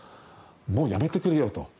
もうやめてくれよと。